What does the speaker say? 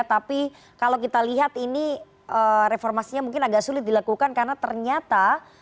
tapi kalau kita lihat ini reformasinya mungkin agak sulit dilakukan karena ternyata